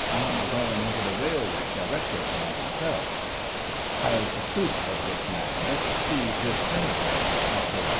Tm agoin' into the Railway — Director Line myself.* " As a proof of this Madness, see this paragraph :" Oct.